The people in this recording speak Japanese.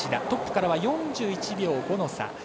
トップから４１秒５の差。